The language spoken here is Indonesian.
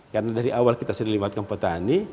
karena dari awal kita sudah melihat petani